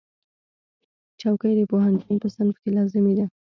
چوکۍ د پوهنتون په صنف کې لازمي ده.